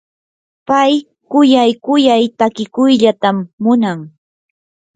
pay quyay quyay takikuyllatam munan.